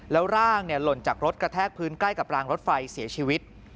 แล้วร่างหล่นจากรถกระแทกพื้นใกล้กับรางรถไฟเสียชีวิต